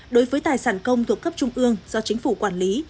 đối với tài sản công thuộc cấp trung ương do chính phủ quản lý